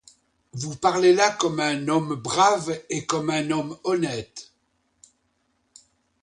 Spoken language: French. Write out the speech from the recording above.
Vous parlez là comme un homme brave et comme un homme honnête.